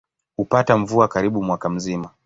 Hupata mvua karibu mwaka mzima.